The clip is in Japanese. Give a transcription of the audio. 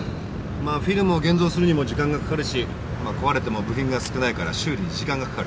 まあフィルムを現像するにも時間がかかるしまあ壊れても部品が少ないから修理に時間がかかる。